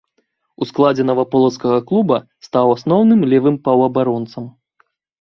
У складзе наваполацкага клуба стаў асноўным левым паўабаронцам.